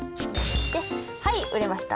はい売れました。